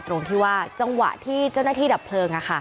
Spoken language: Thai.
ตรงที่ว่าจังหวะที่เจ้าหน้าที่ดับเพลิง